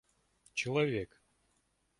человек